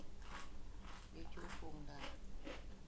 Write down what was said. Geche opong’o ndara